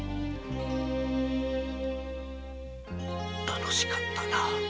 楽しかったな